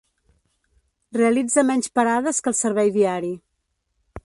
Realitza menys parades que el servei diari.